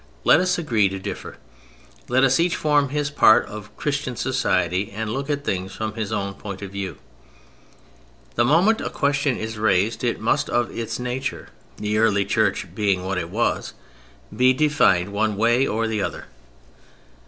Let us agree to differ. Let us each form his part of 'Christian society' and look at things from his own point of view." The moment a question is raised it must of its nature, the early Church being what it was, be defined one way or the other.